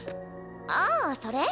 ああそれ？